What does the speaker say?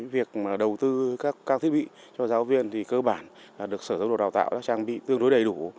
việc đầu tư các thiết bị cho giáo viên thì cơ bản là được sở dụng đồ đào tạo đã trang bị tương đối đầy đủ